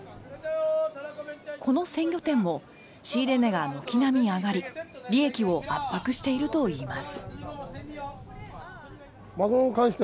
この鮮魚店も仕入れ値が軒並み上がり利益を圧迫しているといいます。